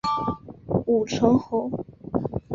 武城侯。